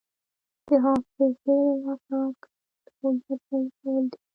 د حافظې له لاسه ورکول د هویت ضایع کول دي.